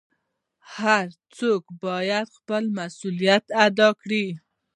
هر څوک بايد خپل مسؤليت ادا کړي .